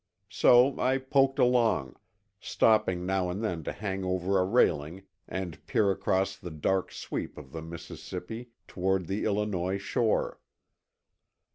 So I poked along, stopping now and then to hang over a railing and peer across the dark sweep of the Mississippi toward the Illinois shore.